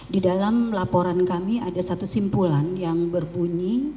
di dalam laporan kami ada satu simpulan yang berbunyi